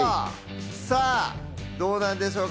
さぁどうなんでしょうか？